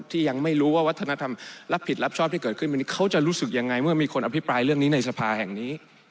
ที่ยังไม่รู้ว่าวัฒนธรรมรับผิดรับชอบที่เกิดขึ้นไป